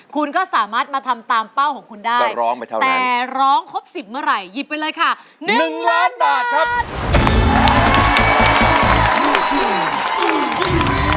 คุณก็สามารถมาทำตามเป้าของคุณได้แต่ร้องครบ๑๐เมื่อไหร่หยิบไปเลยค่ะ๑ล้านบาทครับ